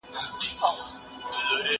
که وخت وي، ليک لولم!!